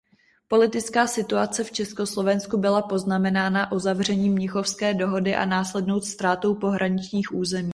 Politická situace v Československu byla poznamenána uzavřením Mnichovské dohody a následnou ztrátou pohraničních území.